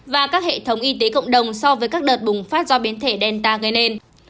và các hệ thống y tế cộng đồng so với các đợt bùng phát do biến thể delta gây nên